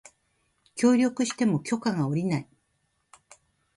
協力しても許可が降りない